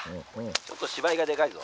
ちょっと芝居がでかいぞ」。